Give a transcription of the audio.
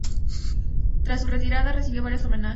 Tras su retirada recibió varios homenajes.